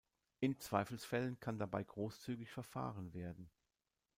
In Zweifelsfällen kann dabei großzügig verfahren werden.